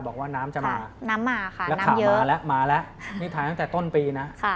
ค่ะน้ำล่ะนี้